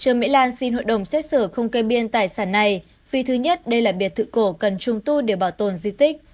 trương mỹ lan xin hội đồng xét xử không kê biên tài sản này vì thứ nhất đây là biệt thự cổ cần trung tu để bảo tồn di tích